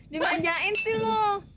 dimanjain sih lo